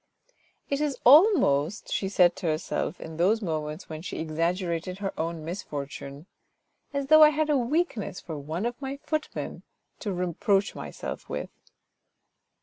" It is almost," she said to herself, in those moments when she exaggerated her own misfortune, " as though I had a weakness for one of my footmen to reproach myself with."